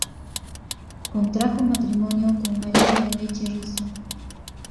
Contrajo matrimonio con María de la Leche Rizo.